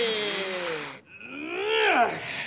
うん。